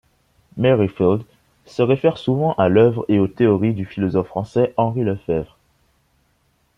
Merrifield se réfère souvent à l'œuvre et aux théories du philosophe français Henri Lefebvre.